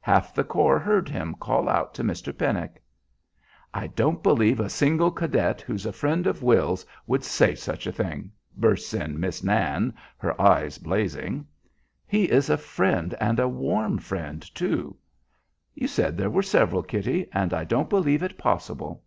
Half the corps heard him call out to Mr. Pennock." "I don't believe a single cadet who's a friend of Will's would say such a thing," bursts in Miss Nan, her eyes blazing. "He is a friend, and a warm friend, too." "You said there were several, Kitty, and I don't believe it possible."